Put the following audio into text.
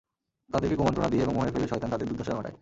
তাদেরকে কুমন্ত্রণা দিয়ে এবং মোহে ফেলে শয়তান তাদের দুর্দশা ঘটায়।